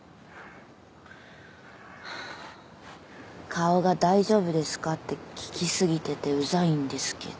顔が「大丈夫ですか？」って聞きすぎててうざいんですけど。